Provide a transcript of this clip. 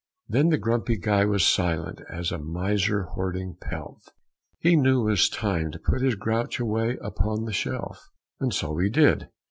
Then the Grumpy Guy was silent as a miser hoarding pelf. He knew 'twas time to put his grouch away upon the shelf. And so he did.